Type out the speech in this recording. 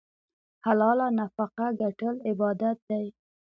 حلاله نفقه ګټل عبادت دی.